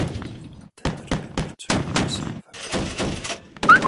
V této době pracuje na sólovém projektu.